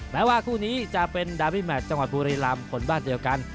แม้ว่าคู่นี้จะเป็นดาบิแมทจังหวัดบุรีรำคนบ้านเดียวกัน